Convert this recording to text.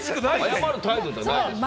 謝る態度じゃない。